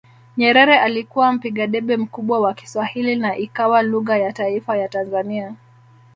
Nyerere alikuwa mpiga debe mkubwa wa Kiswahili na ikawa lugha ya taifa ya Tanzania